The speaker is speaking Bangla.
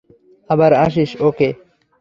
আবার আসিস, ওকে?